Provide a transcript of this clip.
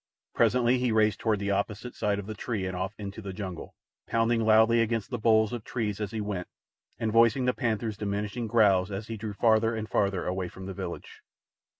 Presently he raced toward the opposite side of the tree and off into the jungle, pounding loudly against the boles of trees as he went, and voicing the panther's diminishing growls as he drew farther and farther away from the village.